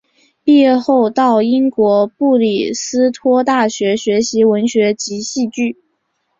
毕业后到英国布里斯托大学学习文学及戏剧。